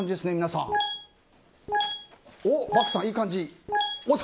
漠さん、いい感じ。